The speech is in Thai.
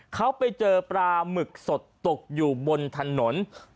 เขาไปเจอปลาหมึกสดตกอยู่บนถนน